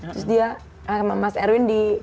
terus dia sama mas erwin di